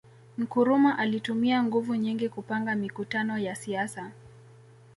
Nkrumah alitumia nguvu nyingi kupanga mikutano ya siasa